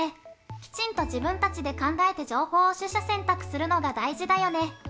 きちんと自分たちで考えて情報を取捨選択することが大事だよね！